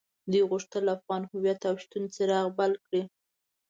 دوی غوښتل د افغان هويت او شتون څراغ بل کړي.